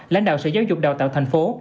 lãnh đạo sở giáo dục đào tạo thành phố